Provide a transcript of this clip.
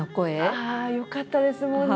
よかったですもんね！